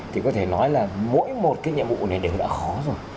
thì có thể nói là mỗi một cái nhiệm vụ này đều đã khó rồi